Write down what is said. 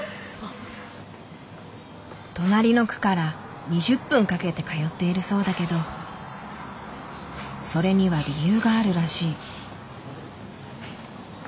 隣の区から２０分かけて通っているそうだけどそれには理由があるらしい。